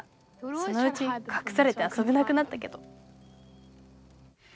そのうちかくされてあそべなくなったけど」。